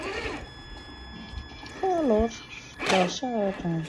柯罗氏海蛳螺为海蛳螺科海蛳螺属下的一个种。